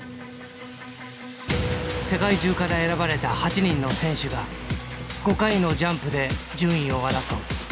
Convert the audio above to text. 世界中から選ばれた８人の選手が５回のジャンプで順位を争う。